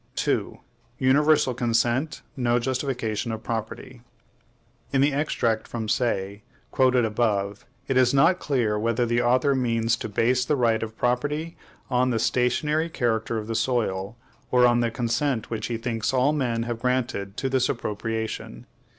% 2. Universal Consent no Justification of Property. In the extract from Say, quoted above, it is not clear whether the author means to base the right of property on the stationary character of the soil, or on the consent which he thinks all men have granted to this appropriation.